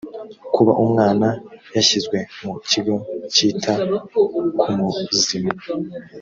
kuba umwana yashyizwe mu kigo cyita kumuzima